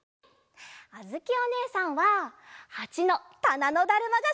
あづきおねえさんは８のたなのだるまがすきかな。